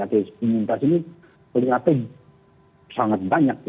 pemerintah sini terlihat sangat banyak